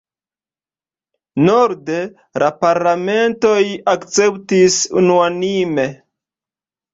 Norde la parlamentoj akceptis unuanime.